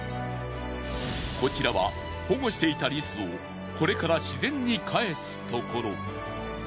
こちらは保護していたリスをこれから自然に還すところ。